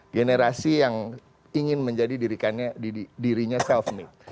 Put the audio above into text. generasi yang ingin menjadi dirinya self meat